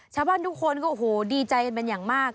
ชาวบ้านทุกคนก็โอ้โฮดีใจมาก